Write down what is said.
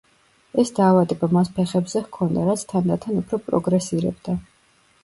ეს დაავადება მას ფეხებზე ჰქონდა, რაც თანდათან უფრო პროგრესირებდა.